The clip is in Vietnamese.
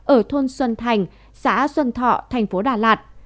ở thôn xuân thành xã xuân thọ thành phố đà lạt